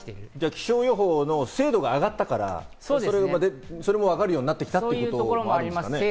気象予報の精度が上がったから、それもわかるようになってきたということですかね。